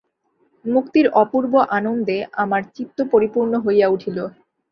মুক্তির অপূর্ব আনন্দে আমার চিত্ত পরিপূর্ণ হইয়া উঠিল।